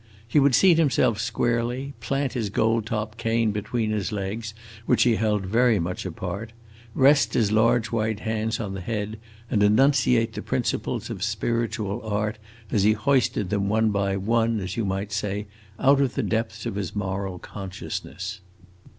He would seat himself squarely, plant his gold topped cane between his legs, which he held very much apart, rest his large white hands on the head, and enunciate the principles of spiritual art, as he hoisted them one by one, as you might say, out of the depths of his moral consciousness.